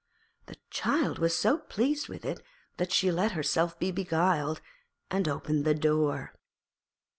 The child was so pleased with it that she let herself be beguiled, and opened the door.